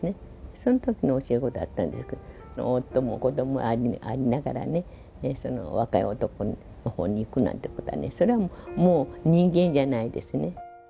そのときの教え子だったんですけど、夫も子どももありながらね、その若い男のほうに行くなんてことはね、それはもう、人間じゃないですね。